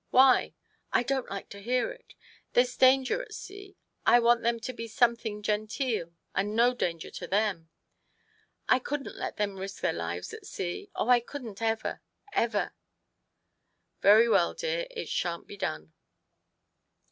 "Why?" " I don't like to hear it. There's danger at sea. I want them to be something genteel, and no danger to them. I couldn't let them risk their lives at sea. Oh, I couldn't ever, ever !"" Very well, dear, it shan't be done."